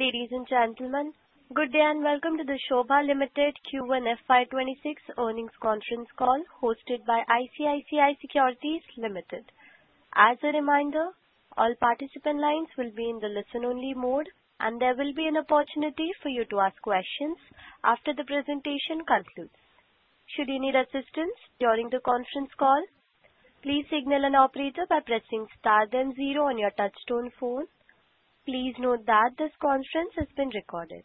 Ladies and gentlemen, good day and welcome to the Sobha Limited Q4 FY26 earnings conference call hosted by ICICI Securities. As a reminder, all participant lines will be in the listen-only mode, and there will be an opportunity for you to ask questions after the presentation concludes. Should you need assistance during the conference call, please signal an operator by pressing *10 on your touch-tone phone. Please note that this conference has been recorded.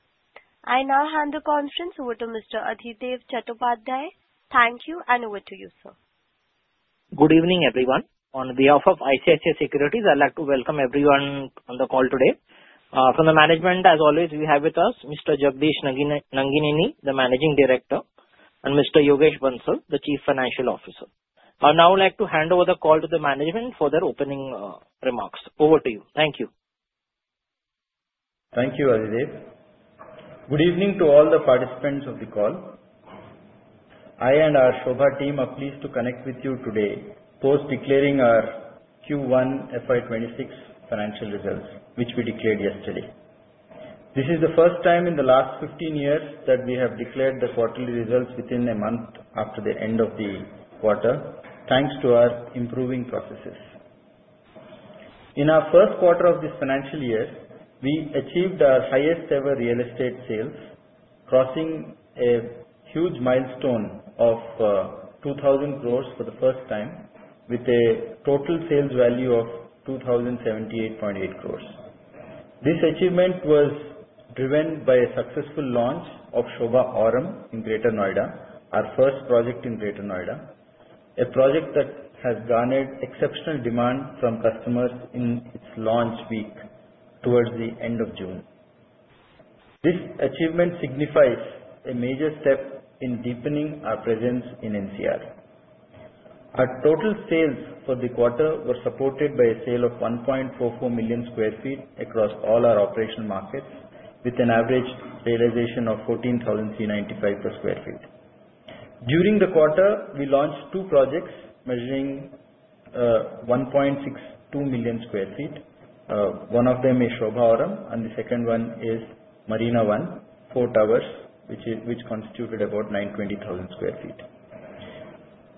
I now hand the conference over to Mr. Adhidev Chattopadhyay. Thank you, and over to you, sir. Good evening, everyone. On behalf of ICICI Securities, I'd like to welcome everyone on the call today. From the management, as always, we have with us Mr. Jagadish Nangineni, the Managing Director, and Mr. Yogesh Bansal, the Chief Financial Officer. Now I'd like to hand over the call to the management for their opening remarks. Over to you. Thank you. Thank you, Adhidev. Good evening to all the participants of the call. I and our Sobha team are pleased to connect with you today post-declaring our Q1 FY2026 financial results, which we declared yesterday. This is the first time in the last 15 years that we have declared the quarterly results within a month after the end of the quarter, thanks to our improving processes. In our first quarter of this financial year, we achieved our highest ever real estate sales, crossing a huge milestone of 2,000 crores for the first time, with a total sales value of 2,078.8 crores. This achievement was driven by a successful launch of Sobha Aurum in Greater Noida, our first project in Greater Noida, a project that has garnered exceptional demand from customers in its launch week towards the end of June. This achievement signifies a major step in deepening our presence in NCR. Our total sales for the quarter were supported by a sale of 1.44 million sq ft across all our operational markets, with an average realization of 14,395 per sq ft. During the quarter, we launched two projects measuring 1.62 million sq ft. One of them is Sobha Aurum, and the second one is Marina One Four Towers, which constituted about 920,000 sq ft.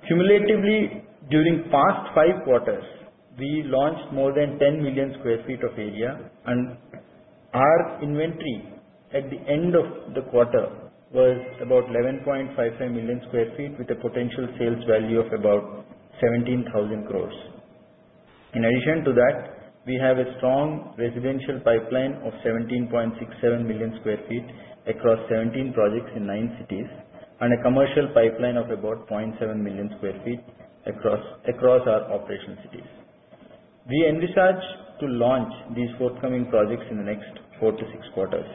Cumulatively, during the past five quarters, we launched more than 10 million sq ft of area, and our inventory at the end of the quarter was about 11.55 million sq ft, with a potential sales value of about 17,000 crores. In addition to that, we have a strong residential pipeline of 17.67 million sq ft across 17 projects in nine cities, and a commercial pipeline of about 0.7 million sq ft across our operation cities. We envisage to launch these forthcoming projects in the next four to six quarters.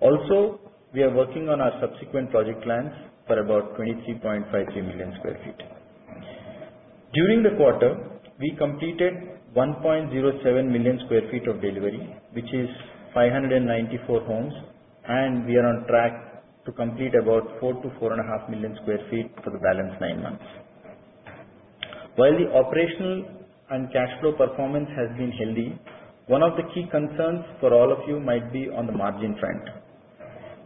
Also, we are working on our subsequent project plans for about 23.53 million sq ft. During the quarter, we completed 1.07 million sq ft of delivery, which is 594 homes, and we are on track to complete about 4 to 4.5 million sq ft for the balanced nine months. While the operational and cash flow performance has been healthy, one of the key concerns for all of you might be on the margin front.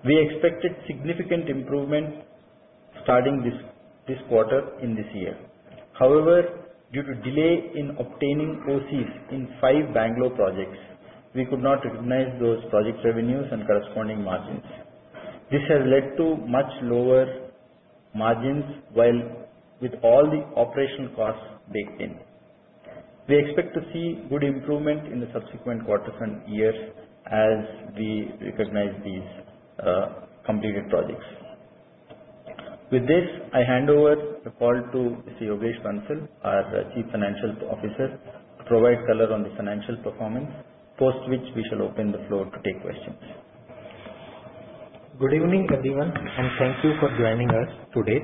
We expected significant improvement starting this quarter in this year. However, due to delay in obtaining OCs in five Bangalore projects, we could not recognize those project revenues and corresponding margins. This has led to much lower margins with all the operational costs baked in. We expect to see good improvement in the subsequent quarters and years as we recognize these completed projects. With this, I hand over the call to Mr. Yogesh Bansal, our Chief Financial Officer, to provide color on the financial performance, post which we shall open the floor to take questions. Good evening, everyone, and thank you for joining us today.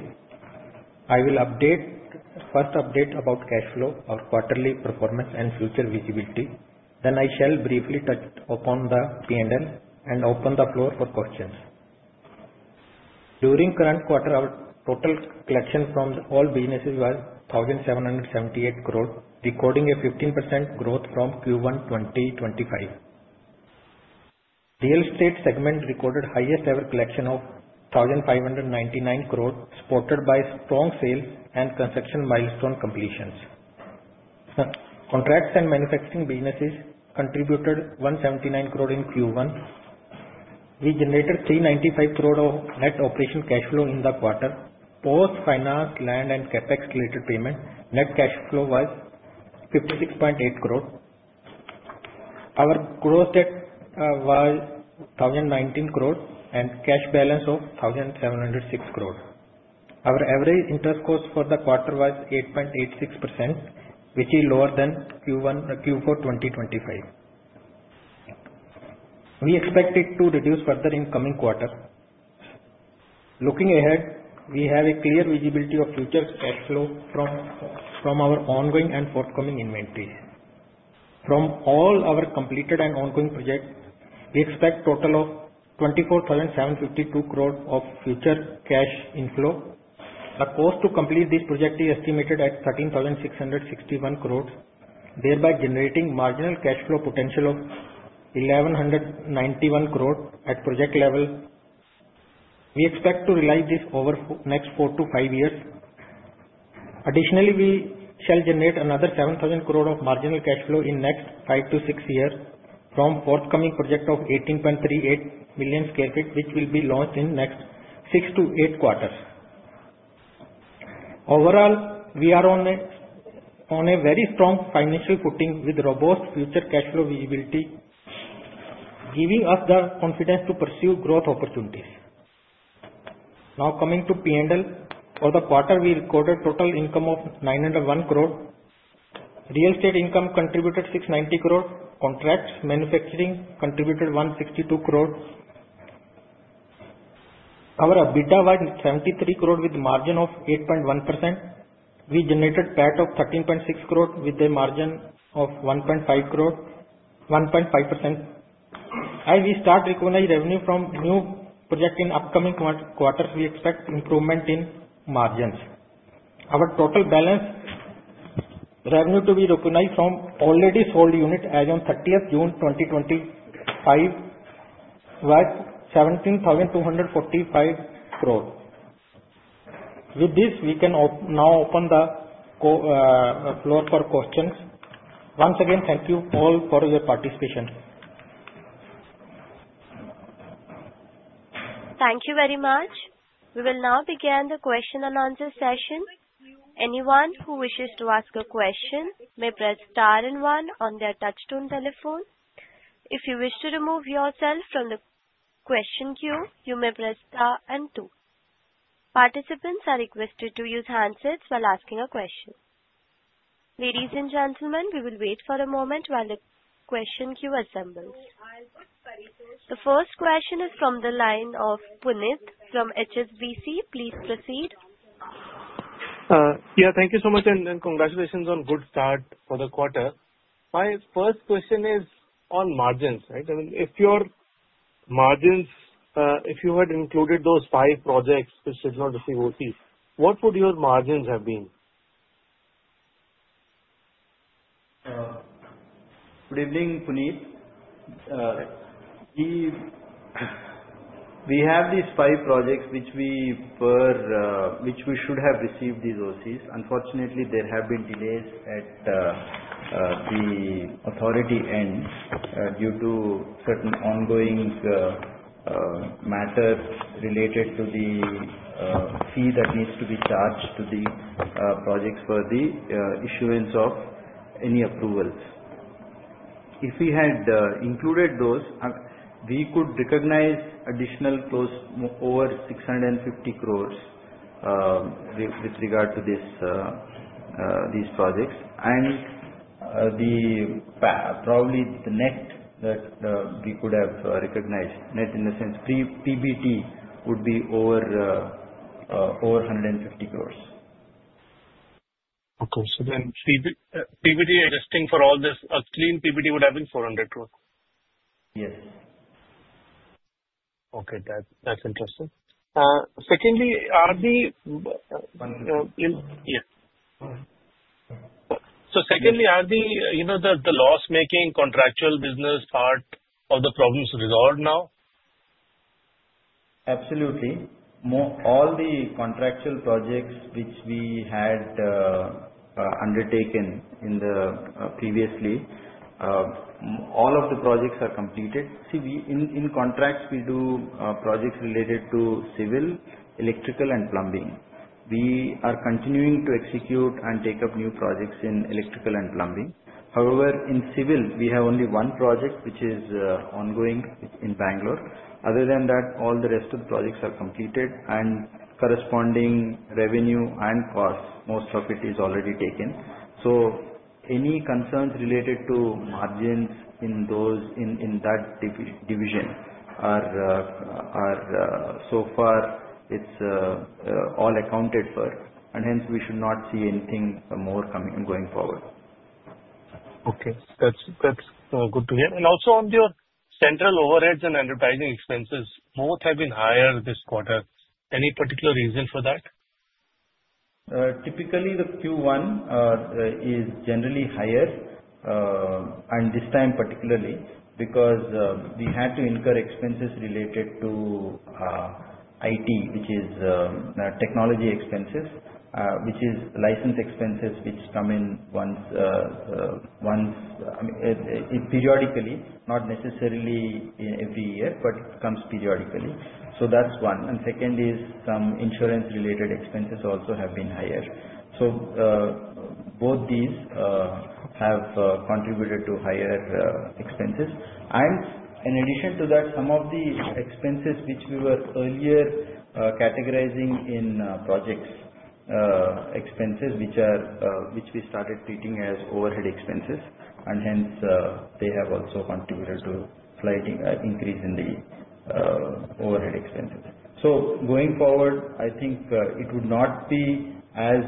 I will update the first update about cash flow, our quarterly performance, and future visibility. Then I shall briefly touch upon the P&L and open the floor for questions. During the current quarter, our total collection from all businesses was 1,778 crores, recording a 15% growth from Q1 2025. Real estate segment recorded the highest ever collection of 1,599 crores, supported by strong sales and construction milestone completions. Contracts and manufacturing businesses contributed 179 crores in Q1. We generated 395 crores of net operational cash flow in the quarter. Post-finance land and CapEx-related payments, net cash flow was 56.8 crores. Our gross debt was 1,019 crores and cash balance of 1,706 crores. Our average interest cost for the quarter was 8.86%, which is lower than Q1 and Q4 2025. We expect it to reduce further in the coming quarter. Looking ahead, we have a clear visibility of future cash flow from our ongoing and forthcoming inventory. From all our completed and ongoing projects, we expect a total of 24,752 crores of future cash inflow. The cost to complete these projects is estimated at 13,661 crores, thereby generating marginal cash flow potential of 1,191 crores at project level. We expect to realize this over the next four to five years. Additionally, we shall generate another 7,000 crores of marginal cash flow in the next five to six years from the forthcoming project of 18.38 million sq ft, which will be launched in the next six to eight quarters. Overall, we are on a very strong financial footing with robust future cash flow visibility, giving us the confidence to pursue growth opportunities. Now coming to P&L for the quarter, we recorded a total income of 901 crores. Real estate income contributed 690 crores. Contracts and manufacturing contributed 162 crores. Our EBITDA was 73 crores with a margin of 8.1%. We generated a PAT of 13.6 crores with a margin of 1.5%. As we start recognizing revenue from new projects in the upcoming quarters, we expect improvement in margins. Our total balance revenue to be recognized from already sold units as on 30th June 2025 was 17,245 crores. With this, we can now open the floor for questions. Once again, thank you all for your participation. Thank you very much. We will now begin the question and answer session. Anyone who wishes to ask a question may press star and 1 on their touchstone telephone. If you wish to remove yourself from the question queue, you may press star and 2. Participants are requested to use handsets while asking a question. Ladies and gentlemen, we will wait for a moment while the question queue assembles. The first question is from the line of Puneeth from HSBC. Please proceed. Thank you so much, and congratulations on a good start for the quarter. My first question is on margins, right? If your margins, if you had included those five projects which did not receive OCs, what would your margins have been? Good evening, Puneeth. We have these five projects which we should have received these OCs. Unfortunately, there have been delays at the authority end due to certain ongoing matters related to the fee that needs to be charged to the projects for the issuance of any approvals. If we had included those, we could recognize additional close over 650 crores with regard to these projects. Probably the net that we could have recognized, net in the sense PBT, would be over 150 crores. Okay. PBT, I'm guessing for all this, a clean PBT would have been 400 crores. Yes. Marina One Four Towers already received, or are they still pending? Yes. Are the loss-making contract manufacturing business part of the problems resolved now? Absolutely. All the contractual projects which we had undertaken previously, all of the projects are completed. In contracts, we do projects related to civil, electrical, and plumbing. We are continuing to execute and take up new projects in electrical and plumbing. However, in civil, we have only one project which is ongoing, which is in Bangalore. Other than that, all the rest of the projects are completed, and corresponding revenue and costs, most of it is already taken. Any concerns related to margins in that division are so far, it's all accounted for, and hence we should not see anything more coming going forward. Okay. That's good to hear. Also, on your central overheads and advertising expenses, both have been higher this quarter. Any particular reason for that? Typically, the Q1 is generally higher, and this time particularly because we had to incur expenses related to IT, which is technology expenses, which is license expenses which come in once periodically, not necessarily every year, but comes periodically. That's one. Second is some insurance-related expenses also have been higher. Both these have contributed to higher expenses. In addition to that, some of the expenses which we were earlier categorizing in projects expenses, which we started treating as overhead expenses, have also contributed to a slight increase in the overhead expenses. Going forward, I think it would not be as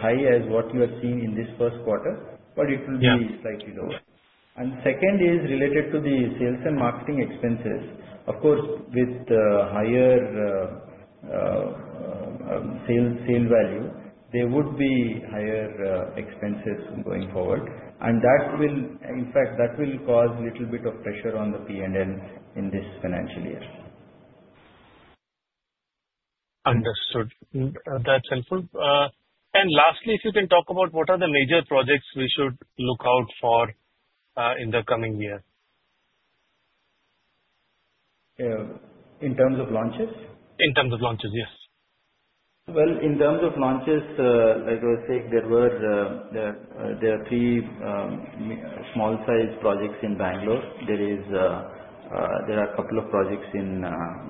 high as what we have seen in this first quarter, but it will be slightly lower. Second is related to the sales and marketing expenses. Of course, with the higher sales value, there would be higher expenses going forward. That will, in fact, cause a little bit of pressure on the P&L in this financial year. Understood. That's helpful. Lastly, if you can talk about what are the major projects we should look out for in the coming year? In terms of launches? In terms of launches, yes. In terms of launches, like I was saying, there are three small-sized projects in Bangalore. There are a couple of projects in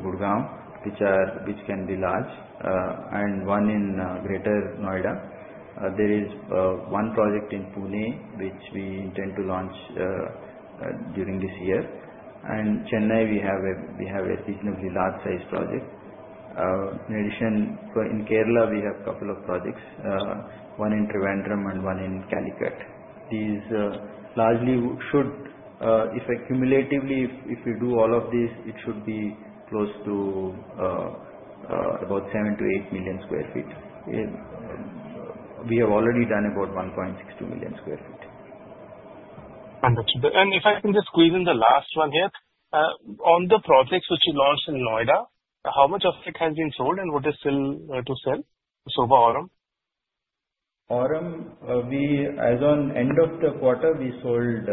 Gurgaon, which can be large, and one in Greater Noida. There is one project in Pune, which we intend to launch during this year. In Chennai, we have a reasonably large-sized project. In addition, in Kerala, we have a couple of projects, one in Trivandrum and one in Calicut. These largely should, if accumulatively, if you do all of these, it should be close to about 7 to 8 million sq ft. We have already done about 1.62 million sq ft. Understood. If I can just squeeze in the last one here, on the projects which you launched in Noida, how much of it has been sold and what is still to sell? Sobha Aurum? Aurum, as on the end of the quarter, we sold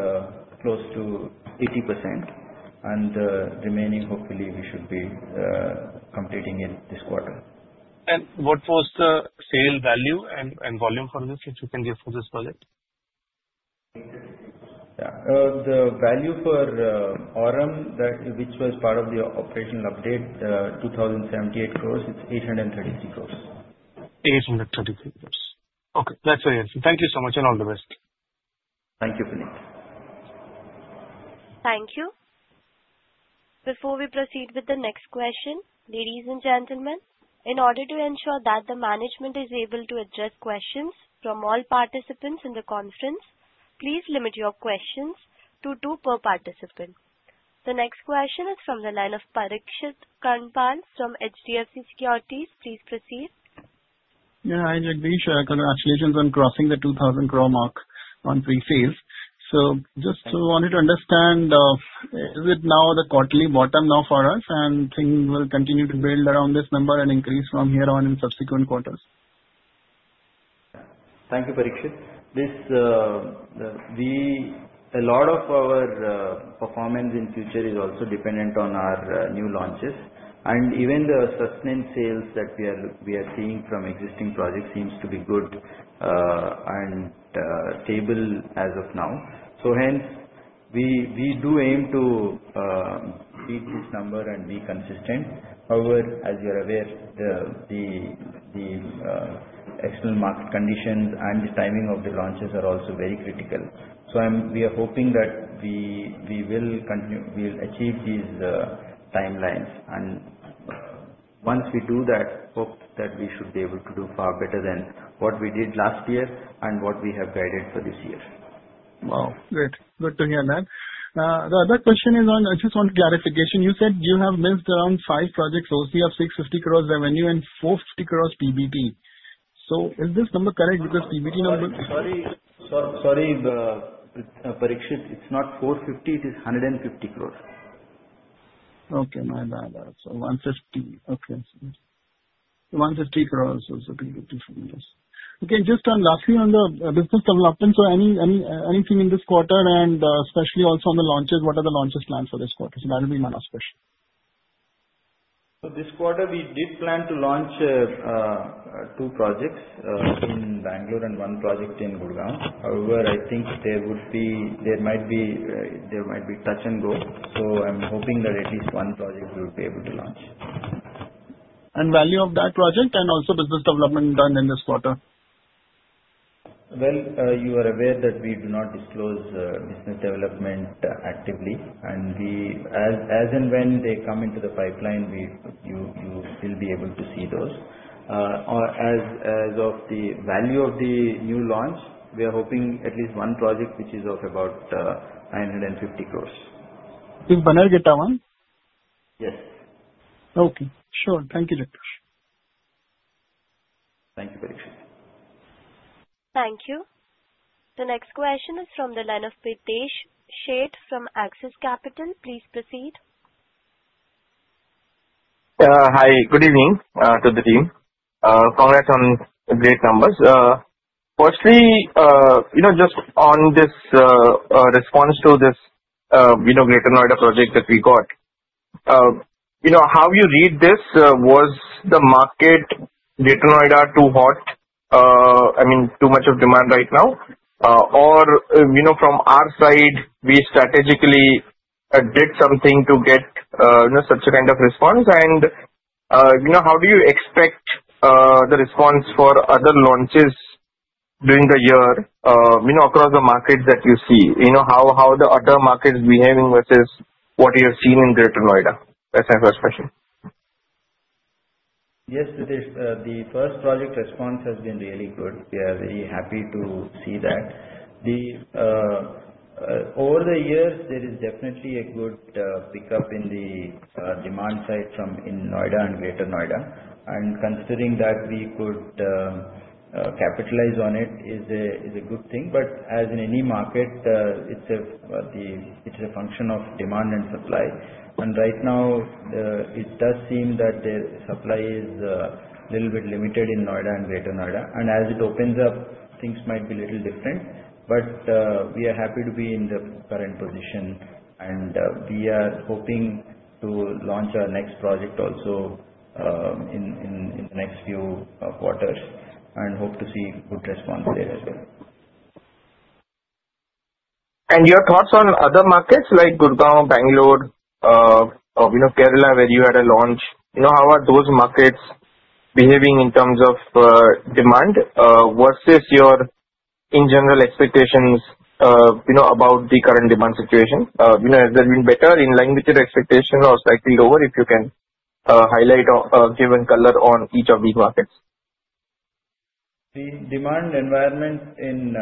close to 80%, and the remaining, hopefully, we should be completing in this quarter. What was the sale value and volume from this, if you can just focus on it? Yeah, the value for Aurum, which was part of the operational update, 2,078 crores, it's 833 crores. 833 crores. Okay. That's very interesting. Thank you so much and all the best. Thank you, Puneeth. Thank you. Before we proceed with the next question, ladies and gentlemen, in order to ensure that the management is able to address questions from all participants in the conference, please limit your questions to two per participant. The next question is from the line of Parikshit Kandpal from HDFC Securities. Please proceed. Yeah, I'm Parikshit. Congratulations on crossing the 2,000 crore mark on pre-sales. I just wanted to understand, is it now the quarterly bottom for us, and things will continue to build around this number and increase from here on in subsequent quarters? Thank you, Parikshit. A lot of our performance in the future is also dependent on our new launches. Even the sustained sales that we are seeing from existing projects seem to be good and stable as of now. We do aim to beat each number and be consistent. However, as you're aware, the external market conditions and the timing of the launches are also very critical. We are hoping that we will continue to achieve these timelines. Once we do that, hope that we should be able to do far better than what we did last year and what we have guided for this year. Great. Good to hear that. The other question is on, I just want clarification. You said you have missed around five projects OC of 650 crores revenue and 450 crores PBT. Is this number correct because PBT number? Sorry, Parikshit, it's not 450 crores, it is 150 crores. Okay. My bad. 150 crores was the PBT. Okay. Just lastly, on the business development, anything in this quarter, and especially also on the launches, what are the launches planned for this quarter? That would be my last question. This quarter, we did plan to launch two projects in Bangalore and one project in Gurgaon. However, I think there might be touch and go. I'm hoping that at least one project we'll be able to launch. And value of that project and also business development done in this quarter? You are aware that we do not disclose business development actively. As and when they come into the pipeline, you will be able to see those. As of the value of the new launch, we are hoping at least one project, which is of about 950 crore. I think Yogesh Bansal. Yes. Okay. Sure. Thank you. Thank you, Parikshit. Thank you. The next question is from the line of Pritesh Sheth from Axis Capital. Please proceed. Hi. Good evening to the team. Congrats on great numbers. Firstly, just on this response to this Greater Noida project that we got, how you read this, was the market Greater Noida too hot? I mean, too much of demand right now? Or from our side, we strategically did something to get such a kind of response. How do you expect the response for other launches during the year across the markets that you see? How are the other markets behaving versus what you're seeing in Greater Noida? That's my first question. Yes, it is. The first project response has been really good. We are very happy to see that. Over the years, there is definitely a good pickup in the demand side in Noida and Greater Noida. Considering that we could capitalize on it is a good thing. As in any market, it's a function of demand and supply. Right now, it does seem that the supply is a little bit limited in Noida and Greater Noida. As it opens up, things might be a little different. We are happy to be in the current position and we are hoping to launch our next project also in the next few quarters and hope to see a good response there as well. Your thoughts on other markets like Gurgaon, Bangalore, Kerala, where you had a launch, how are those markets behaving in terms of demand versus your, in general, expectations about the current demand situation? Has it been better in line with your expectations or slightly lower if you can highlight or give a color on each of these markets? The demand environment in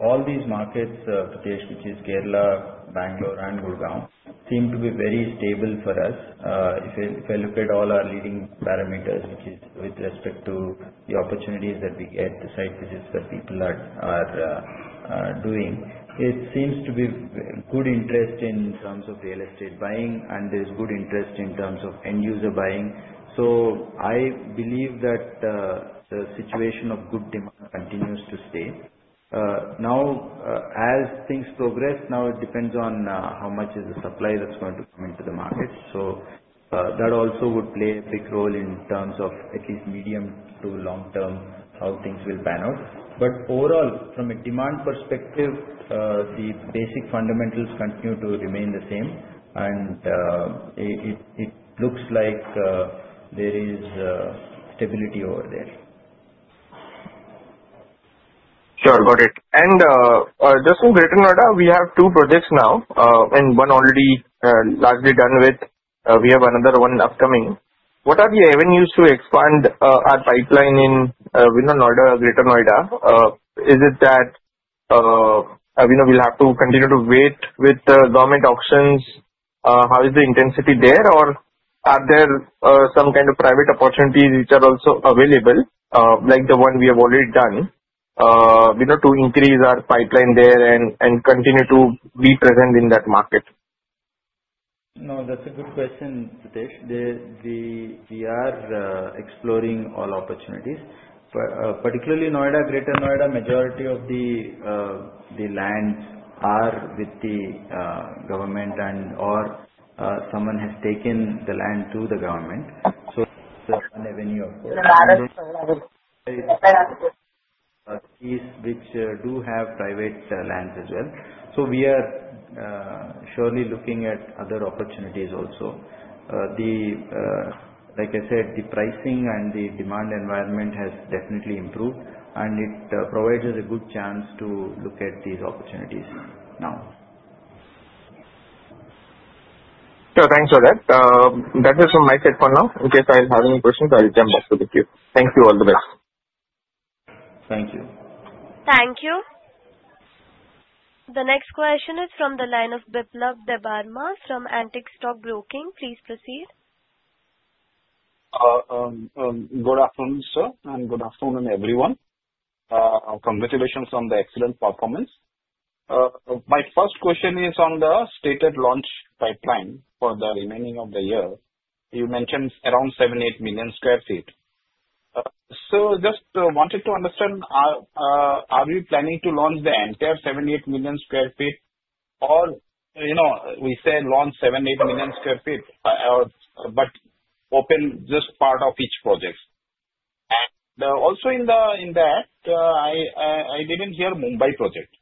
all these markets, which is Kerala, Bangalore, and Gurgaon, seemed to be very stable for us. If I look at all our leading parameters, which is with respect to the opportunities that we get, the site visits that people are doing, it seems to be good interest in terms of real estate buying, and there's good interest in terms of end-user buying. I believe that the situation of good demand continues to stay. As things progress, it depends on how much is the supply that's going to come into the market. That also would play a big role in terms of at least medium to long term how things will pan out. Overall, from a demand perspective, the basic fundamentals continue to remain the same. It looks like there is stability over there. Sure. Got it. In Greater Noida, we have two projects now, and one already largely done with. We have another one upcoming. What are the avenues to expand our pipeline in Noida or Greater Noida? Is it that we'll have to continue to wait with the government auctions? How is the intensity there, or are there some kind of private opportunities which are also available, like the one we have already done, to increase our pipeline there and continue to be present in that market? No, that's a good question, Pritesh. We are exploring all opportunities. Particularly in Noida and Greater Noida, the majority of the land is with the government, and/or someone has taken the land from the government. There are some which do have private lands as well. We are surely looking at other opportunities also. Like I said, the pricing and the demand environment has definitely improved, and it provides us a good chance to look at these opportunities now. Yeah, thanks for that. That's it from my side for now. In case I have any questions, I'll jump back to the queue. Thank you. All the best. Thank you. Thank you. The next question is from the line of Biplab Debbarma from Antique Stock Broking. Please proceed. Good afternoon, sir, and good afternoon everyone. Congratulations on the excellent performance. My first question is on the stated launch pipeline for the remaining of the year. You mentioned around 7.8 million sq ft. I just wanted to understand, are you planning to launch the entire 7.8 million sq ft or, you know, we said launch 7.8 million sq ft, but open just part of each project? Also, in that, I didn't hear Mumbai project.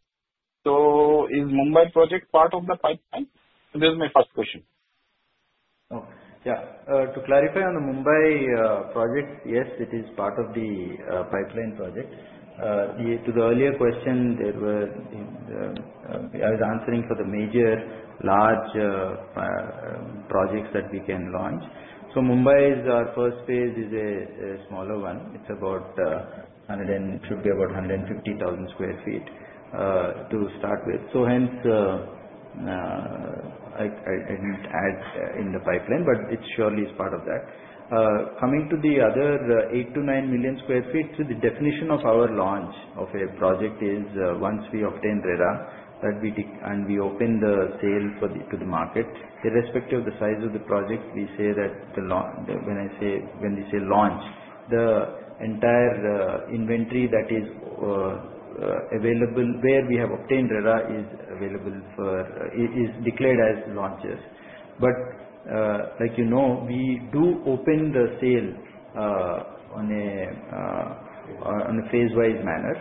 Is Mumbai project part of the pipeline? This is my first question. Oh, yeah. To clarify on the Mumbai project, yes, it is part of the pipeline project. To the earlier question, I was answering for the major large projects that we can launch. Mumbai is our first phase, is a smaller one. It's about, it should be about 150,000 sq ft to start with. Hence, I didn't add in the pipeline, but it surely is part of that. Coming to the other 8 to 9 million sq ft, the definition of our launch of a project is once we obtain REDA and we open the sale to the market, irrespective of the size of the project, we say that when I say, when we say launch, the entire inventory that is available where we have obtained REDA is available for, is declared as launches. Like you know, we do open the sale on a phase-wise manner.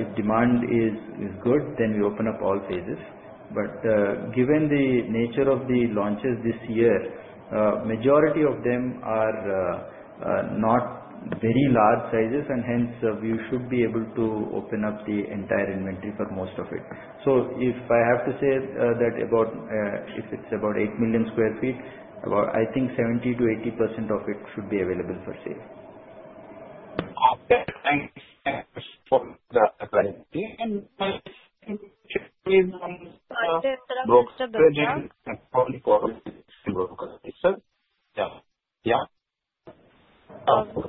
If demand is good, then we open up all phases. Given the nature of the launches this year, the majority of them are not very large sizes, and hence, we should be able to open up the entire inventory for most of it. If I have to say that about, if it's about 8 million sq ft, I think 70 to 80% of it should be available for sale.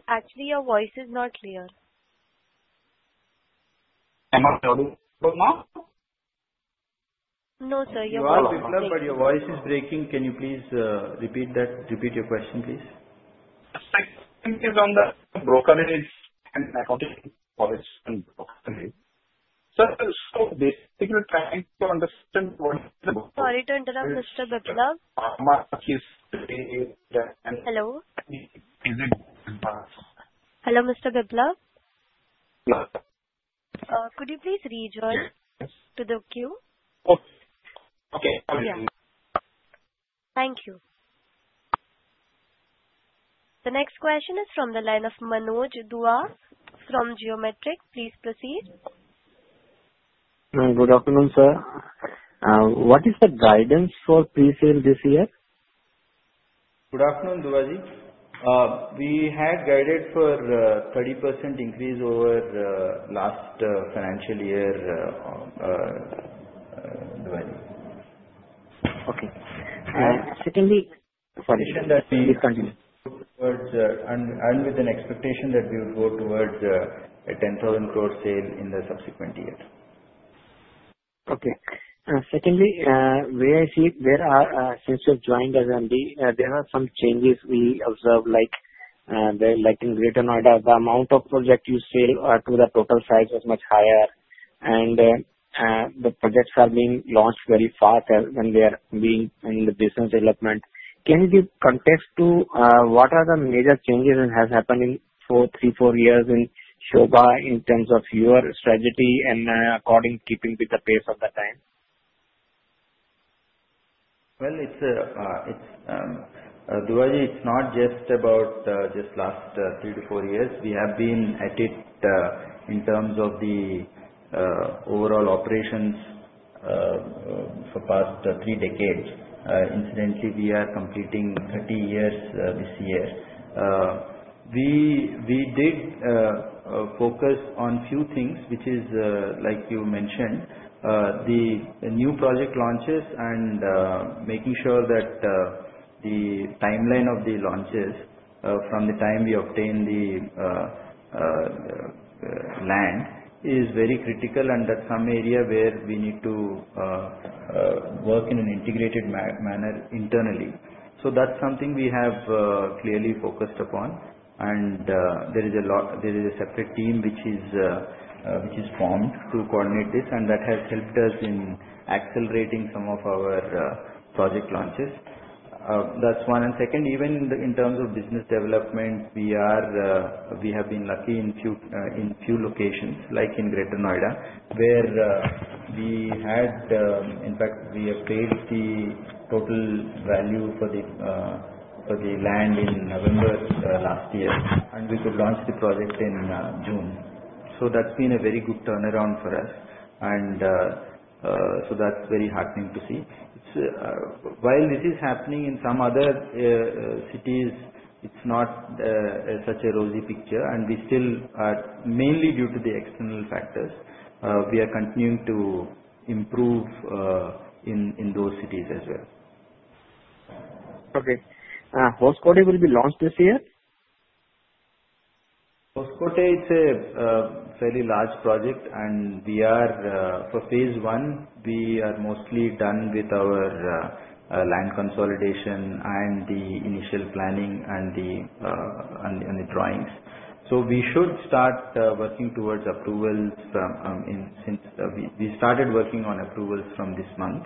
Actually, your voice is not clear. I'm not audible now? No, sir. I'm not, but your voice is breaking. Can you please repeat that? Repeat your question, please. The question is on the brokerage and accounting policy and brokerage. I'm trying to understand what. Sorry to interrupt, Mr. Biplab. Hello. Hello, Mr. Biplab. Could you please rejoin the queue? Oh, okay. Yeah. Thank you. The next question is from the line of Manoj Dua from Geometric. Please proceed. Good afternoon, sir. What is the guidance for pre-sale this year? Good afternoon, Duaji. We had guided for a 30% increase over the last financial year, Duaji. Okay. Secondly, the expectation that we continue. With an expectation that we would go towards an 10,000 crore sale in the subsequent year. Okay. Secondly, since you have joined as MD, there are some changes we observe, like in Greater Noida, the amount of projects you sell to the total size was much higher. The projects are being launched very fast when they are in the business development. Can you give context to what are the major changes that have happened in three, four years in Sobha in terms of your strategy and according to keeping with the pace of the time? Duaji, it's not just about the last three to four years. We have been at it in terms of the overall operations for the past three decades. Incidentally, we are completing 30 years this year. We did focus on a few things, which is, like you mentioned, the new project launches and making sure that the timeline of the launches from the time we obtain the land is very critical and that is an area where we need to work in an integrated manner internally. That's something we have clearly focused upon. There is a separate team which is formed to coordinate this, and that has helped us in accelerating some of our project launches. That's one. Second, even in terms of business development, we have been lucky in two locations, like in Greater Noida, where we had, in fact, we have paid the total value for the land in November last year, and we could launch the project in June. That's been a very good turnaround for us, and that's very heartening to see. While this is happening in some other cities, it's not such a rosy picture, and mainly due to the external factors, we are continuing to improve in those cities as well. Okay. Host quarter will be launched this year? It's a fairly large project, and for phase one, we are mostly done with our land consolidation and the initial planning and the drawings. We should start working towards approvals since we started working on approvals from this month.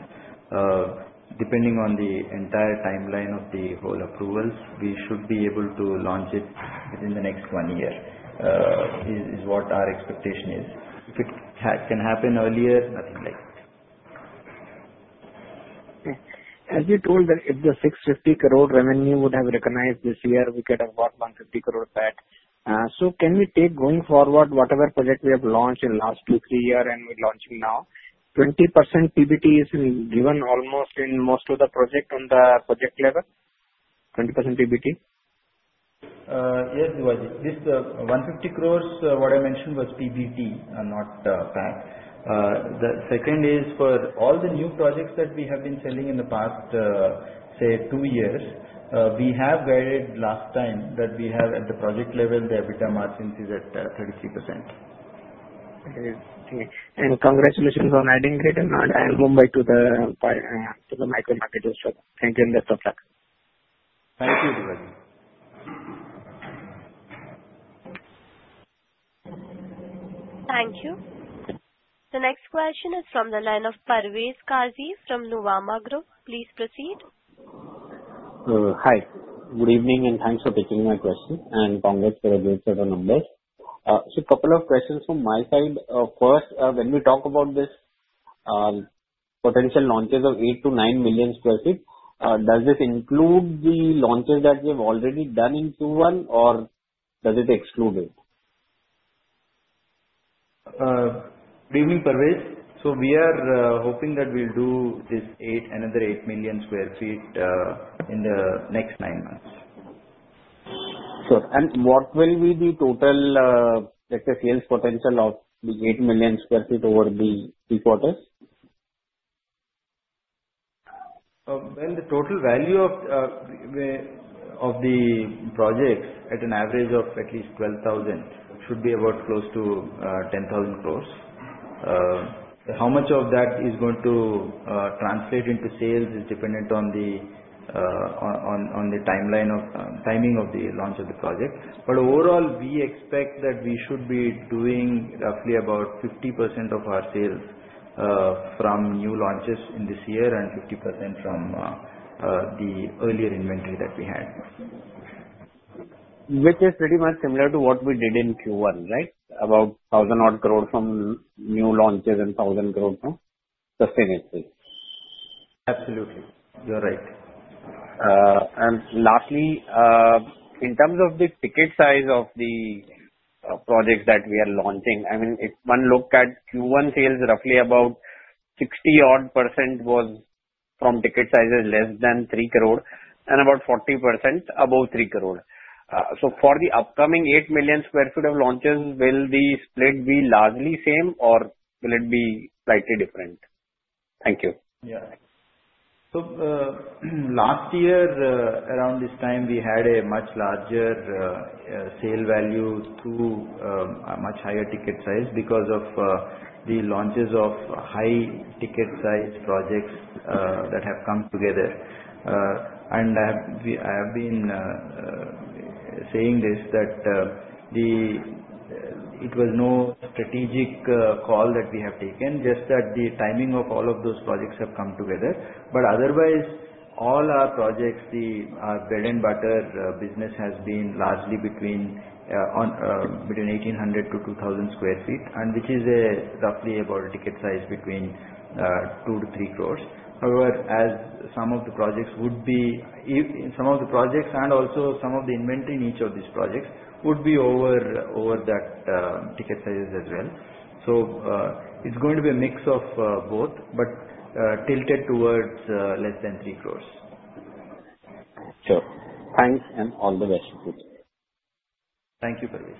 Depending on the entire timeline of the whole approvals, we should be able to launch it within the next one year, is what our expectation is. If it can happen earlier, nothing like it. As you told that if the 650 crore revenue would have recognized this year, we could have got 150 crore PBT. Can we take going forward whatever project we have launched in the last two, three years, and we're launching now, 20% PBT is given almost in most of the projects on the project level? 20% PBT? Yes, Duaji. This 150 crores, what I mentioned was PBT, not the PER. The second is for all the new projects that we have been selling in the past, say, two years, we have guided last time that we have at the project level, the EBITDA margin is at 33%. Okay. Congratulations on adding Greater Noida and Mumbai to the micromarket as well. Thank you in the process. Thank you, Duaji. Thank you. The next question is from the line of Parvez Qazi from Nuvama Group. Please proceed. Hi. Good evening, and thanks for taking my question. Congrats to the great set of numbers. A couple of questions from my side. First, when we talk about this potential launches of 8 to 9 million sq ft, does this include the launches that we have already done in Q1, or does it exclude it? Good evening, Parvez. We are hoping that we'll do another 8 million sq ft in the next nine months. Sure. What will be the total, let's say, sales potential of the 8 million sq ft over the quarter? The total value of the projects at an average of at least 12,000 should be about close to 10,000 crore. How much of that is going to translate into sales is dependent on the timing of the launch of the project. Overall, we expect that we should be doing roughly about 50% of our sales from new launches in this year and 50% from the earlier inventory that we had. Which is pretty much similar to what we did in Q1, right? About 1,000 crore from new launches and 1,000 crore from the finances. Absolutely. You're right. Lastly, in terms of the ticket size of the projects that we are launching, if one looked at Q1 sales, roughly about 60% was from ticket sizes less than 3 crore and about 40% above 3 crore. For the upcoming 8 million sq ft of launches, will the split be largely the same, or will it be slightly different? Thank you. Yeah. Last year, around this time, we had a much larger sale value through a much higher ticket size because of the launches of high ticket size projects that have come together. I have been saying this, that it was no strategic call that we have taken, just that the timing of all of those projects have come together. Otherwise, all our projects, the bread and butter business, has been largely between 1,800 to 2,000 sq ft, which is roughly about a ticket size between 2 to 3 crore. However, as some of the projects would be, in some of the projects and also some of the inventory in each of these projects would be over that ticket size as well. It is going to be a mix of both, but tilted towards less than 3 crore. Sure, thanks and all the best too. Thank you, Parvez.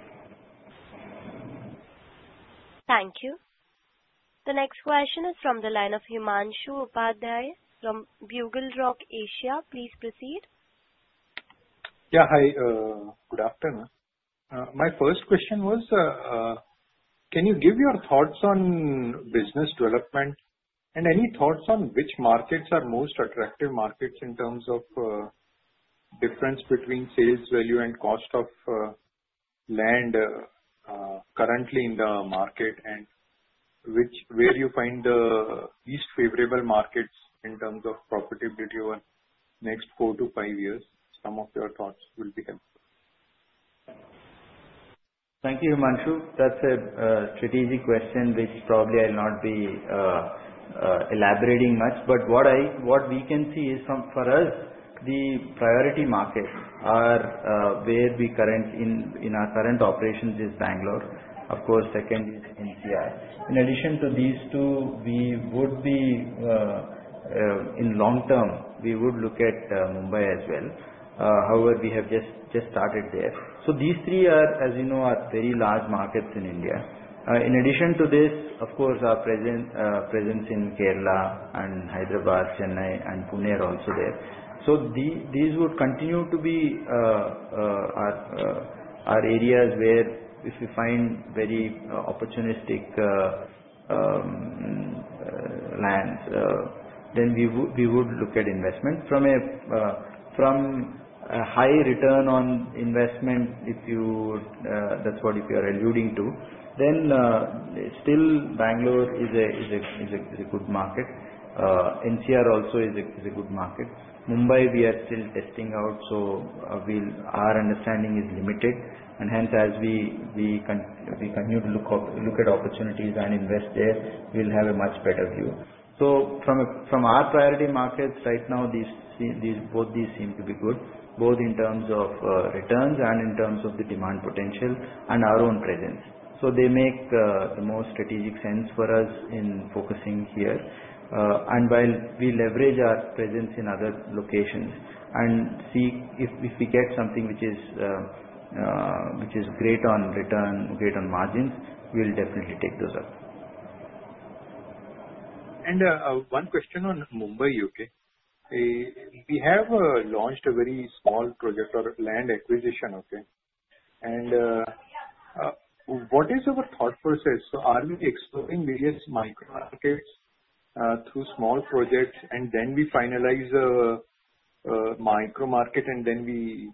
Thank you. The next question is from the line of Himanshu Upadhyay from BugleRock Asia. Please proceed. Yeah. Hi. Good afternoon. My first question was, can you give your thoughts on business development and any thoughts on which markets are most attractive markets in terms of difference between sales value and cost of land currently in the market, and where you find the least favorable markets in terms of profitability over the next four to five years? Some of your thoughts will be helpful. Thank you, Himanshu. That's a strategic question which probably I'll not be elaborating much. What we can see is for us, the priority markets are where we currently, in our current operations, is Bangalore. Of course, second is India. In addition to these two, we would be, in long term, we would look at Mumbai as well. However, we have just started there. These three are, as you know, very large markets in India. In addition to this, of course, our presence in Kerala and Hyderabad, Chennai, and Pune are also there. These would continue to be our areas where if we find very opportunistic lands, then we would look at investments. From a high return on investment, if that's what you are alluding to, then still Bangalore is a good market. India also is a good market. Mumbai, we are still testing out, so our understanding is limited. As we continue to look at opportunities and invest there, we'll have a much better view. From our priority markets right now, these both seem to be good, both in terms of returns and in terms of the demand potential and our own presence. They make the most strategic sense for us in focusing here. While we leverage our presence in other locations and see if we get something which is great on return, great on margins, we'll definitely take those up. One question on Mumbai, U.K. We have launched a very small project for land acquisition, okay? What is our thought process? Are we exploring various micromarkets through small projects, and then we finalize a micromarket, and then we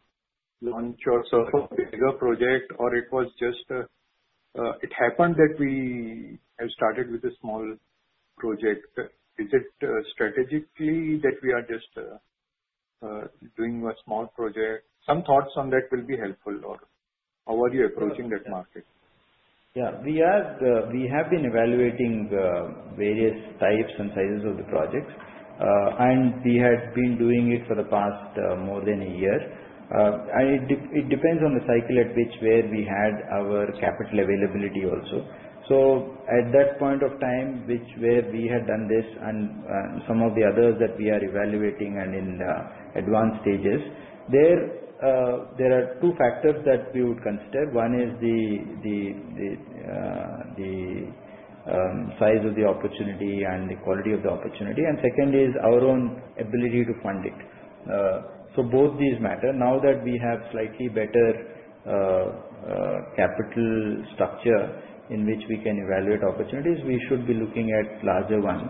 launch also a bigger project, or it was just it happened that we have started with a small project? Is it strategically that we are just doing a small project? Some thoughts on that will be helpful, or how are you approaching that market? Yeah. We have been evaluating various types and sizes of the projects, and we had been doing it for the past more than a year. It depends on the cycle at which we had our capital availability also. At that point of time, where we had done this and some of the others that we are evaluating and in the advanced stages, there are two factors that we would consider. One is the size of the opportunity and the quality of the opportunity, and second is our own ability to fund it. Both these matter. Now that we have slightly better capital structure in which we can evaluate opportunities, we should be looking at larger ones.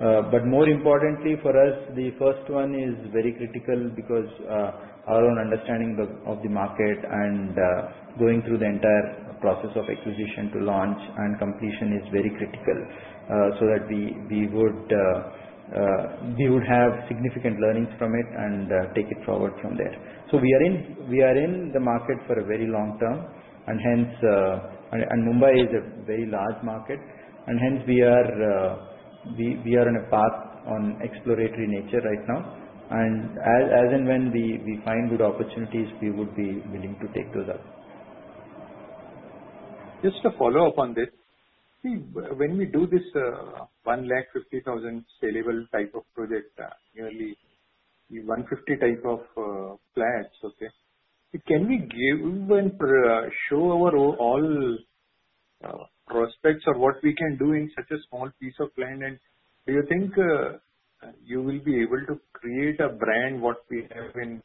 More importantly for us, the first one is very critical because our own understanding of the market and going through the entire process of acquisition to launch and completion is very critical so that we would have significant learnings from it and take it forward from there. We are in the market for a very long term, and Mumbai is a very large market, and we are on a path of exploratory nature right now. As and when we find good opportunities, we would be willing to take those up. Just to follow up on this, see, when we do this 150,000 saleable type of project, nearly 150 types of plans, okay? Can we give and show all our prospects what we can do in such a small piece of land? Do you think you will be able to create a brand like what we have in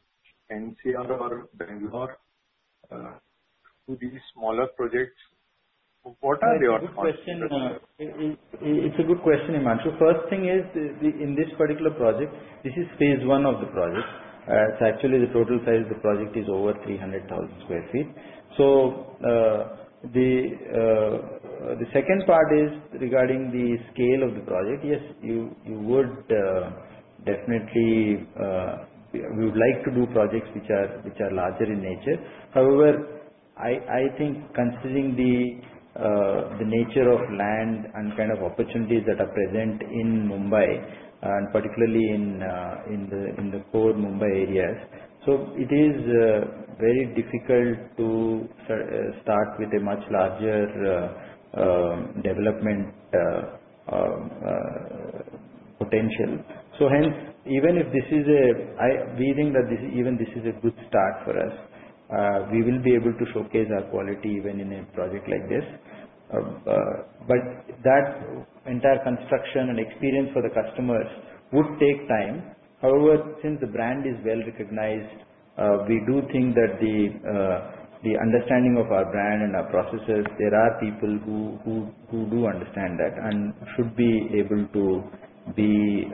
NCR or Bangalore for these smaller projects? What are your thoughts? It's a good question, Himanshu. First thing is, in this particular project, this is phase one of the project. The total size of the project is over 300,000 sq ft. The second part is regarding the scale of the project. Yes, we would definitely like to do projects which are larger in nature. However, I think considering the nature of land and kind of opportunities that are present in Mumbai, particularly in the core Mumbai areas, it is very difficult to start with a much larger development potential. Hence, even if this is a we think that even this is a good start for us, we will be able to showcase our quality even in a project like this. That entire construction and experience for the customers would take time. However, since the brand is well recognized, we do think that the understanding of our brand and our processes, there are people who do understand that and should be able to be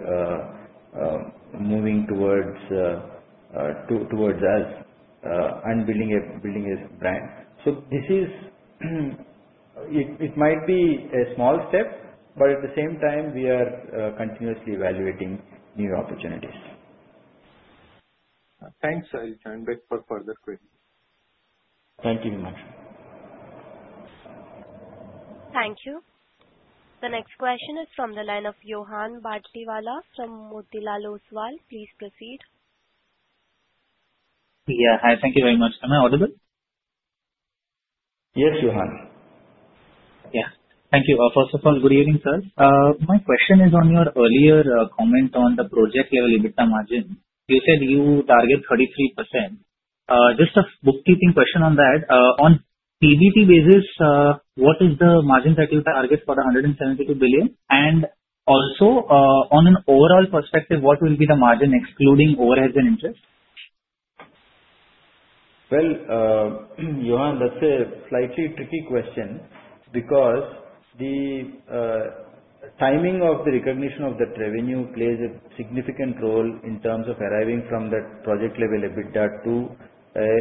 moving towards us and building a brand. This might be a small step, but at the same time, we are continuously evaluating new opportunities. Thanks. Thanks for further questions. Thank you, Himanshu. Thank you. The next question is from the line of Yohan Bhartivala from Motilal Oswal. Please proceed. Yeah. Hi, thank you very much. Am I audible? Yes, Yohan. Yeah. Thank you. First of all, good evening, sir. My question is on your earlier comment on the project-level EBITDA margin. You said you target 33%. Just a bookkeeping question on that. On PBT basis, what is the margin that you target for the 172 billion? Also, on an overall perspective, what will be the margin excluding overheads and interest? Yohan, that's a slightly tricky question because the timing of the recognition of that revenue plays a significant role in terms of arriving from that project-level EBITDA to a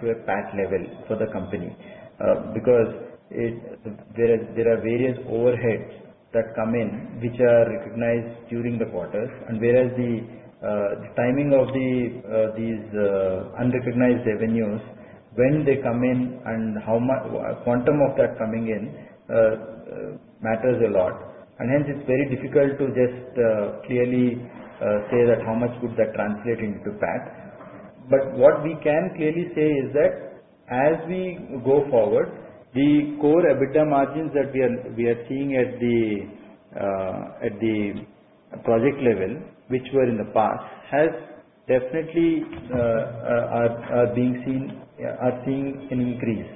PER level for the company, because there are various overheads that come in which are recognized during the quarters. Whereas the timing of these unrecognized revenues, when they come in and how much quantum of that coming in matters a lot. Hence, it's very difficult to just clearly say how much would that translate into PER. What we can clearly say is that as we go forward, the core EBITDA margins that we are seeing at the project level, which were in the past, are definitely seeing an increase.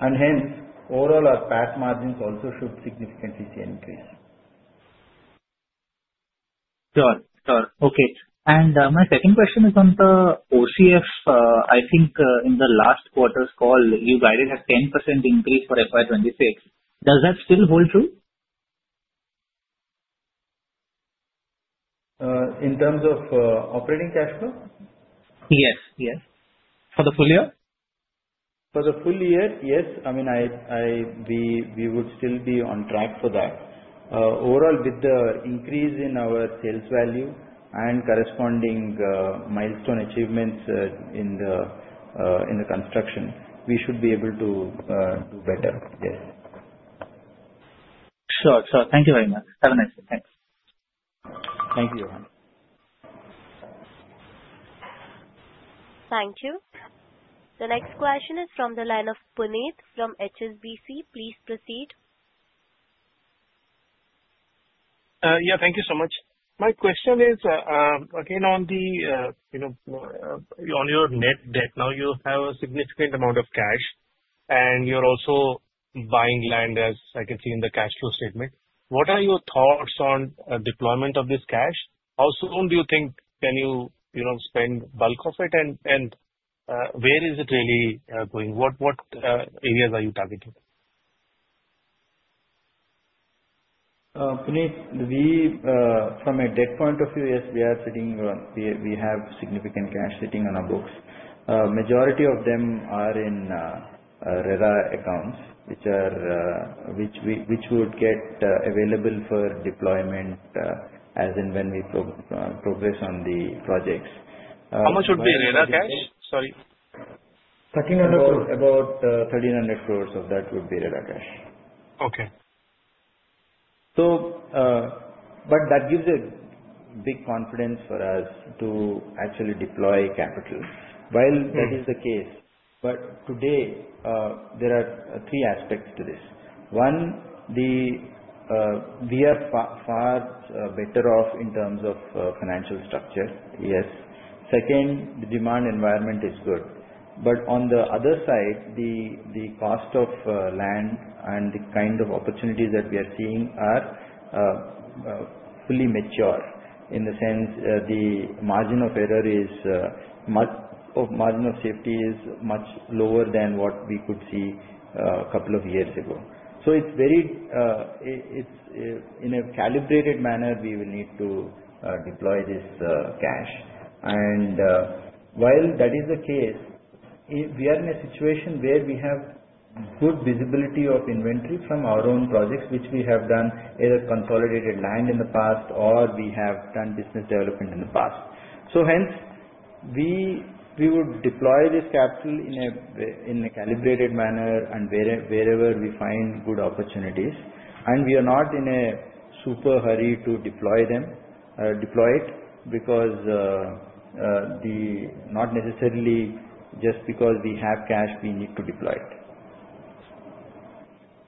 Hence, overall, our PER margins also should significantly see an increase. Sure. Okay. My second question is on the OCF. I think in the last quarter's call, you guided a 10% increase for FY26. Does that still hold true? In terms of operational cash flow? Yes. Yes. For the full year? For the full year, yes. I mean, we would still be on track for that. Overall, with the increase in our sales value and corresponding milestone achievements in the construction, we should be able to do better. Yes. Sure Thank you very much. Have a nice day. Thanks. Thank you, Yohan. Thank you. The next question is from the line of Puneeth from HSBC. Please proceed. Yeah. Thank you so much. My question is, again, on your net debt. Now you have a significant amount of cash, and you're also buying land, as I can see in the cash flow statement. What are your thoughts on deployment of this cash? How soon do you think can you spend the bulk of it, and where is it really going? What areas are you targeting? Puneeth, from a debt point of view, yes, we are sitting on, we have significant cash sitting on our books. Majority of them are in RERA accounts, which would get available for deployment as and when we progress on the projects. How much would be RERA cash? Sorry. 1,300 crores. About 1,300 crores of that would be RERA cash. Okay. That gives a big confidence for us to actually deploy capital. While that is the case, there are three aspects to this. One, we are far better off in terms of financial structures. Yes. Second, the demand environment is good. On the other side, the cost of land and the kind of opportunities that we are seeing are fully mature in the sense the margin of error is much, the margin of safety is much lower than what we could see a couple of years ago. It's very, in a calibrated manner, we will need to deploy this cash. While that is the case, we are in a situation where we have good visibility of inventory from our own projects, which we have done either consolidated land in the past or we have done business development in the past. Hence, we would deploy this capital in a calibrated manner and wherever we find good opportunities. We are not in a super hurry to deploy it because not necessarily just because we have cash, we need to deploy it.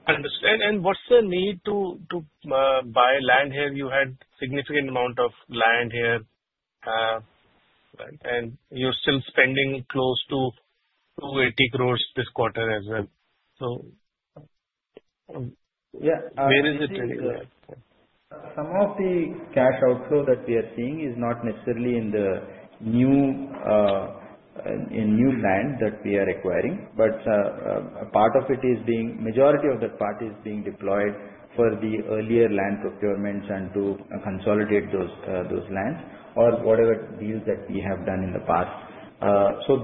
Understand what's the need to buy land here? You had a significant amount of land here, and you're still spending close to 280 crore this quarter as well. Where is it? Some of the cash outflow that we are seeing is not necessarily in the new land that we are acquiring, but a part of it is being, the majority of that part is being deployed for the earlier land procurements and to consolidate those lands or whatever deals that we have done in the past.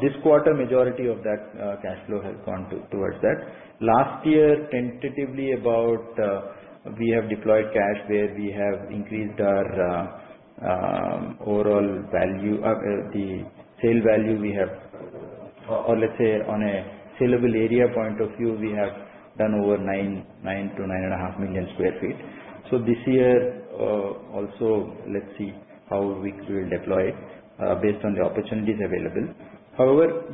This quarter, the majority of that cash flow has gone towards that. Last year, tentatively, we have deployed cash where we have increased our overall value, the sale value we have, or let's say on a saleable area point of view, we have done over 9 to 9.5 million sq ft. This year, also, let's see how we will deploy it based on the opportunities available. However,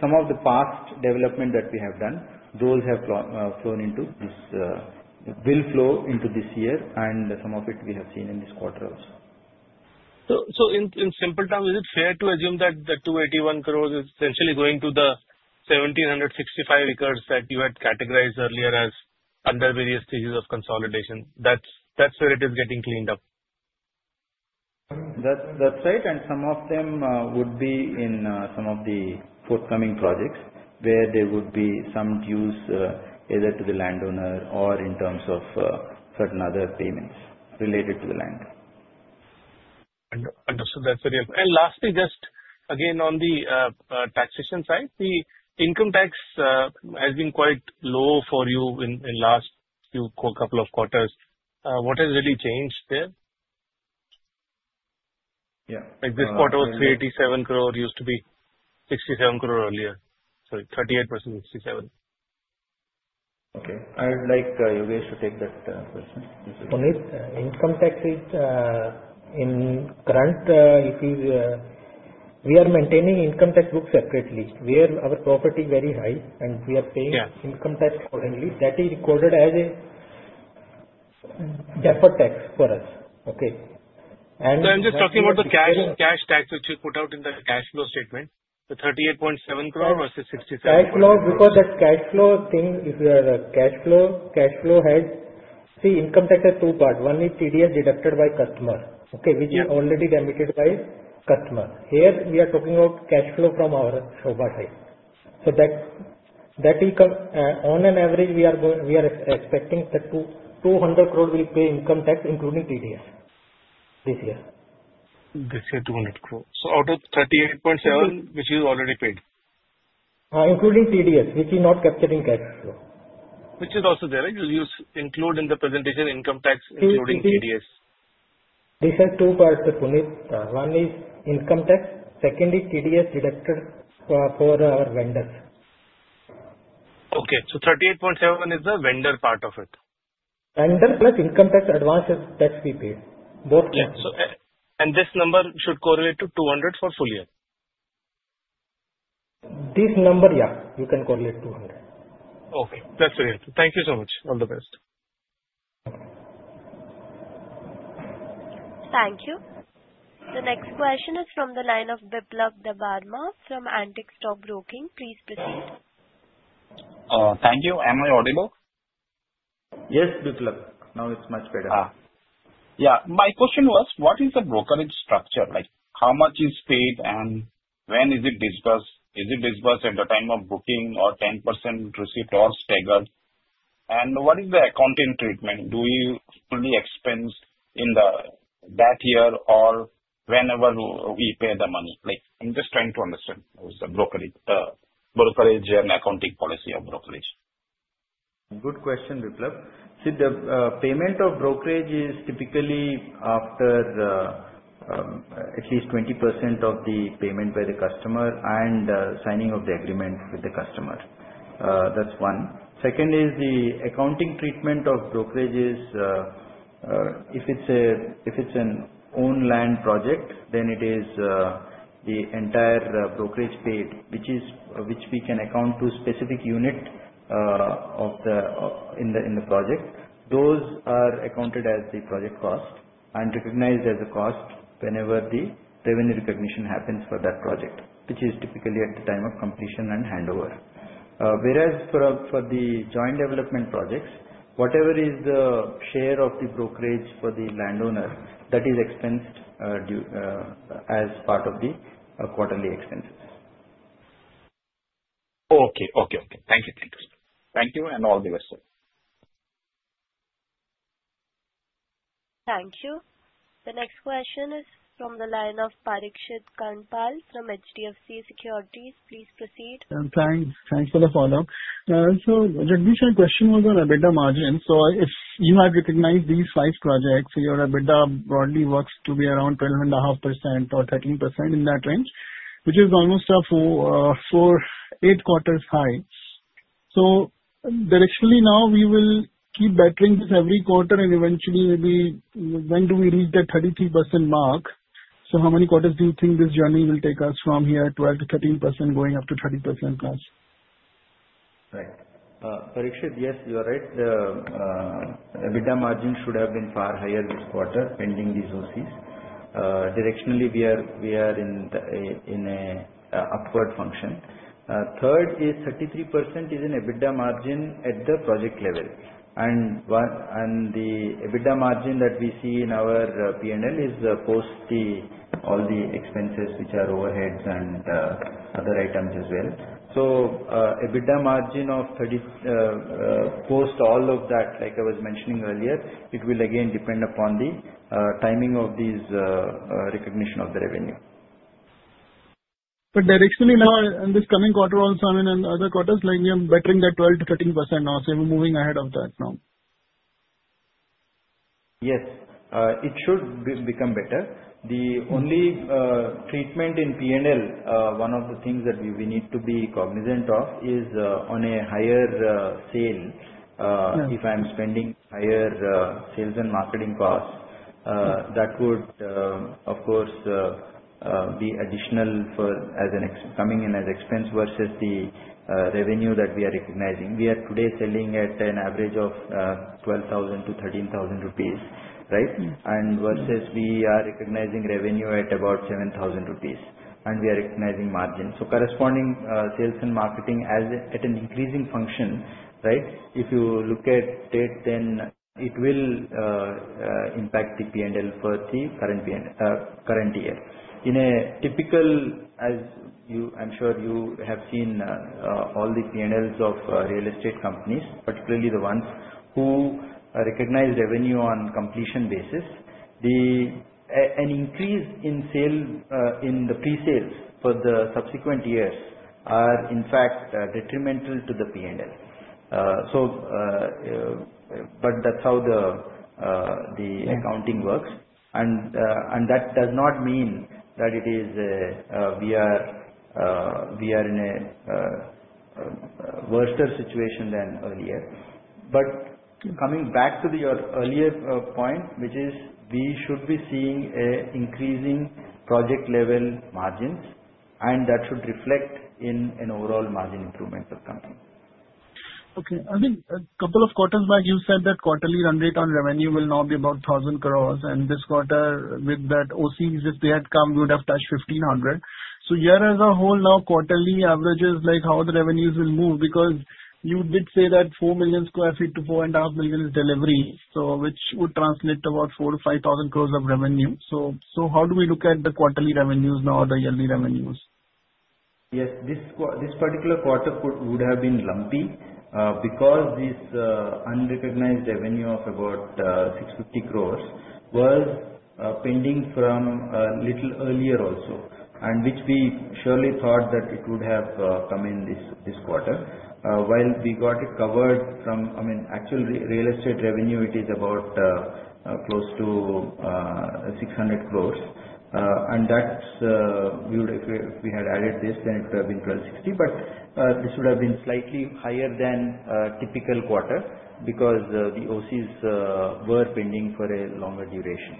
some of the past development that we have done, those have flown into this, will flow into this year, and some of it we have seen in this quarter also. In simple terms, is it fair to assume that the 281 crore is essentially going to the 1,765 acres that you had categorized earlier as under various stages of consolidation? That's where it is getting cleaned up. That's right. Some of them would be in some of the forthcoming projects where there would be some dues either to the landowner or in terms of certain other payments related to the land. Understood. That's very good. Lastly, just again on the taxation side, the income tax has been quite low for you in the last few quarters. What has really changed there? Yeah, like this quarter, 387 crore used to be 67 crore earlier. Sorry, 38% of 67. Okay. I would like Yogesh to take that question. Puneeth? Income taxes, in current, we are maintaining income tax book separately. Our property is very high, and we are paying income tax accordingly. That is recorded as a default tax for us. Okay. I'm just talking about the cash tax which we put out in the cash flow statement, the 38.7 crore versus 67 crore. Cash flow, because that's cash flow thing, if you have a cash flow, cash flow has, see, income tax has two parts. One is TDS deducted by customer, which is already debited by customer. Here, we are talking about cash flow from our Sobha side. That will come on an average, we are expecting that 200 crore we'll pay income tax, including TDS this year. This year, 200 crore. Out of 38.7 crore, which is already paid. Including TDS, which is not captured in cash flow. Which is also there, right? You include in the presentation income tax, including TDS. This has two parts, Puneeth. One is income tax. Second is TDS deducted for our vendors. Okay. 38.7 is the vendor part of it. Vendor plus income tax, advance tax we pay. Both. Yeah, this number should correlate to 200 for full year. This number, yeah, you can correlate 200. Okay, that's very good. Thank you so much. All the best. Thank you. The next question is from the line of Biplab Debbarma from Antique Stock Broking. Please proceed. Thank you. Am I audible? Yes, Biplab. Now it's much better. Yeah. My question was, what is the brokerage structure? Like how much is paid and when is it disbursed? Is it disbursed at the time of booking or 10% receipt or staggered? What is the accounting treatment? Do we fully expense in that year or whenever we pay the money? I'm just trying to understand what is the brokerage and accounting policy of brokerage. Good question, Biplab. See, the payment of brokerage is typically after at least 20% of the payment by the customer and signing of the agreement with the customer. That's one. Second is the accounting treatment of brokerages. If it's an owned land project, then it is the entire brokerage paid, which is which we can account to specific unit in the project. Those are accounted as the project cost and recognized as a cost whenever the revenue recognition happens for that project, which is typically at the time of completion and handover. Whereas for the joint development projects, whatever is the share of the brokerage for the landowner, that is expensed as part of the quarterly expense. Okay. Thank you. Thank you and all the best. Thank you. The next question is from the line of Parikshit Kandpal from HDFC Securities. Please proceed. Thanks for the follow-up. The question was on EBITDA margins. If you have recognized these five projects, your EBITDA broadly works to be around 12.5% or 13% in that range, which is almost a four, four, eight quarters high. Directionally, we will keep bettering this every quarter, and eventually, maybe when do we reach that 33% mark? How many quarters do you think this journey will take us from here, 12% to 13% going up to 30% plus? Right. Parikshit, yes, you're right. The EBITDA margin should have been far higher this quarter pending these OCs. Directionally, we are in an upward function. Third is 33% is an EBITDA margin at the project level. The EBITDA margin that we see in our P&L is post all the expenses, which are overheads and other items as well. EBITDA margin of 30% post all of that, like I was mentioning earlier, it will again depend upon the timing of this recognition of the revenue. Directionally now, in this coming quarter also, I mean, and other quarters, like you're bettering that 12 to 13% now. We're moving ahead of that now. Yes. It should become better. The only treatment in P&L, one of the things that we need to be cognizant of is on a higher sale. If I'm spending higher sales and marketing costs, that would, of course, be additional for coming in as expense versus the revenue that we are recognizing. We are today selling at an average of 12,000 to 13,000 rupees, right? Versus we are recognizing revenue at about 7,000 rupees, and we are recognizing margin. Corresponding sales and marketing is at an increasing function, right? If you look at it, then it will impact the P&L for the current year. In a typical, as you I'm sure you have seen all the P&Ls of real estate companies, particularly the ones who recognize revenue on a completion basis, an increase in sale in the pre-sales for the subsequent years are, in fact, detrimental to the P&L. That is how the accounting works. That does not mean that we are in a worse situation than earlier. Coming back to your earlier point, we should be seeing an increase in project-level margins, and that should reflect in an overall margin improvement of the company. Okay. I think a couple of quarters back, you said that quarterly run rate on revenue will now be about 1,000 crores. This quarter, with that OCs, if they had come, we would have touched 1,500 crore. Year as a whole, now quarterly averages, like how the revenues will move because you did say that 4 million sq ft to 4.5 million is delivery, which would translate to about 4,000 to 5,000 crores of revenue. How do we look at the quarterly revenues now or the yearly revenues? Yes. This particular quarter would have been lumpy because this unrecognized revenue of about 650 crore was pending from a little earlier also, and which we surely thought that it would have come in this quarter. While we got it covered from, I mean, actual real estate revenue, it is about close to 600 crore. If we had added this, then it would have been 1,260 crore. This would have been slightly higher than a typical quarter because the OCs were pending for a longer duration.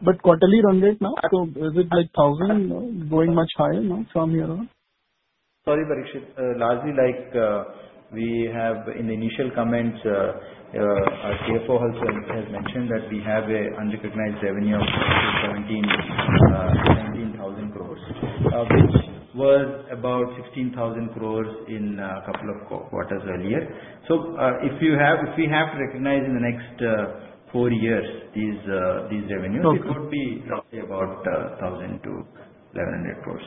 But quarterly run rate now, like 1,000, going much higher now? Sorry, Parikshit. Largely, like we have in the initial comments, our CFO also has mentioned that we have an unrecognized revenue of 17,000 crore, which was about 16,000 crore a couple of quarters earlier. If we have to recognize in the next four years these revenues, it would be roughly about 1,000 to 1,100 crore.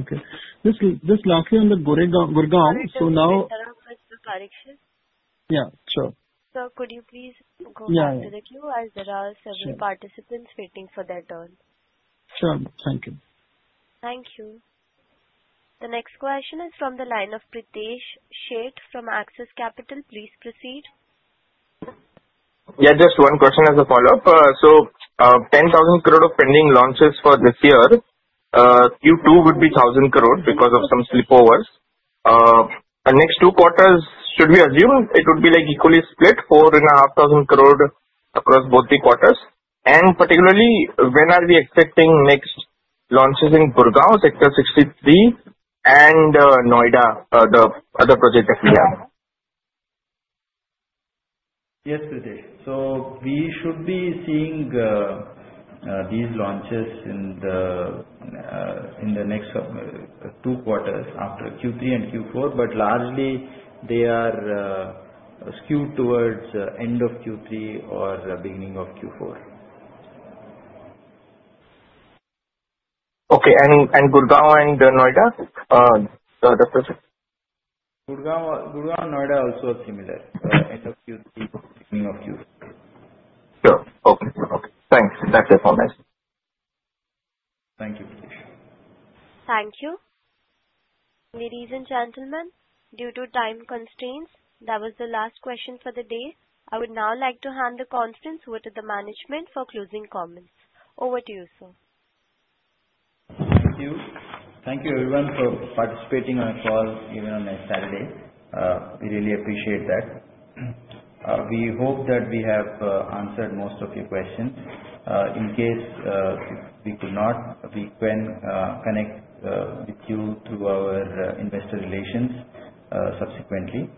Okay. Just lastly, I'm going to go on now. Sorry, Parikshit. Yeah. Sure. Could you please go on to the queue, as there are several participants waiting for their turn? Sure. Thank you. Thank you. The next question is from the line of Pritesh Sheth from Axis Capital. Please proceed. Yeah. Just one question as a follow-up. 10,000 crores of pending launches for this year, Q2 would be 1,000 crores because of some slipovers. Next two quarters, should we assume it would be like equally split, 4,500 crores across both the quarters? Particularly, when are we expecting next launches in Bangalore Sector 63 and Noida, the other projects that we have? Yes, Pritesh. We should be seeing these launches in the next two quarters after Q3 and Q4, but largely, they are skewed towards the end of Q3 or the beginning of Q4. Okay. Gurgaon and Noida? Gurgaon and Noida are also similar, end of Q3, beginning of Q4. Sure. Okay, thanks. That's your comments. Thank you, Pritesh. Thank you. Ladies and gentlemen, due to time constraints, that was the last question for the day. I would now like to hand the conference over to the management for closing comments. Over to you, sir. Thank you. Thank you, everyone, for participating on a call even on a Saturday. We really appreciate that. We hope that we have answered most of your questions. In case we could not, we can connect with you through our investor relations subsequently.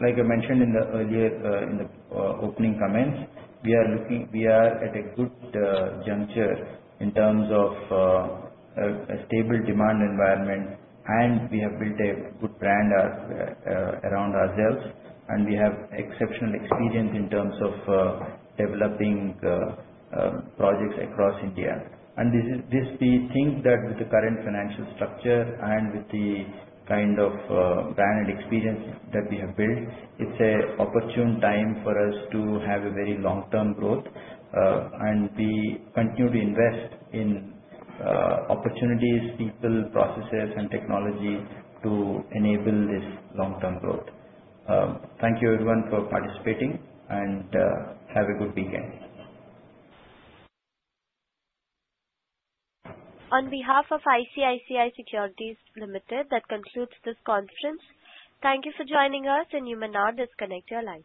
Like I mentioned in the earlier opening comments, we are at a good juncture in terms of a stable demand environment, and we have built a good brand around ourselves. We have exceptional experience in terms of developing projects across India. We think that with the current financial structure and with the kind of brand and experience that we have built, it's an opportune time for us to have a very long-term growth and to continue to invest in opportunities, people, processes, and technology to enable this long-term growth. Thank you, everyone, for participating, and have a good weekend. On behalf of ICICI Securities, that concludes this conference. Thank you for joining us, and you may now disconnect your line.